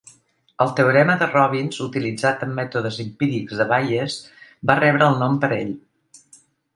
El teorema de Robbins utilitzat en mètodes empírics de Bayes, va rebre el nom per ell.